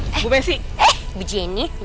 bu besi bu jenny